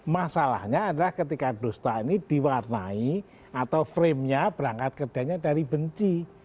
masalahnya adalah ketika dusta ini diwarnai atau framenya berangkat kebencian dari benci